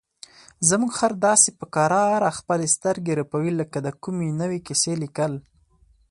زموږ خر داسې په کراره خپلې سترګې رپوي لکه د کومې نوې کیسې لیکل.